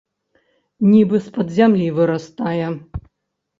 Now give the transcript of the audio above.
Нібы з-пад зямлі вырастае.